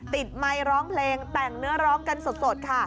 ติดไหมลองเพลงเนื่องร้องกันสด